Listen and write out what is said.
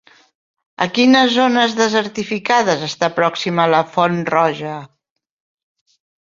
A quines zones desertificades està pròxima la Font Roja?